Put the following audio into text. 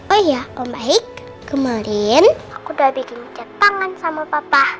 oh iya om baik kemarin aku udah bikin cat tangan sama papa